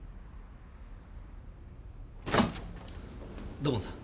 土門さん。